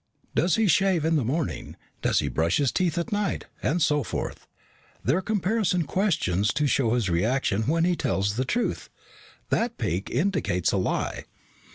Does he shave in the morning? Does he brush his teeth at night, and so forth. They're comparison questions to show his reaction when he tells the truth. That peak indicates a lie."